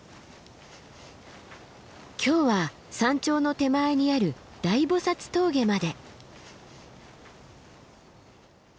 今日は山頂の手前にある大菩峠まで。